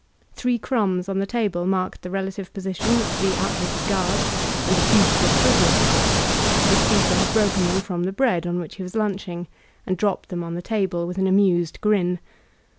Three crumbs on the table marked the relative position of the outwitted guards and the fugitive prisoner ; the speaker had broken them from the bread on which he was lunching and dropped them on the table with an amused smile.